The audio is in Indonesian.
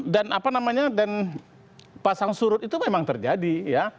dan apa namanya dan pasang surut itu memang terjadi ya